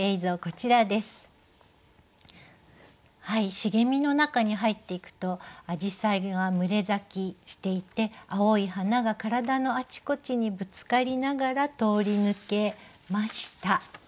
茂みの中に入っていくとアジサイが群れ咲きしていて青い花が体のあちこちにぶつかりながら通り抜けました。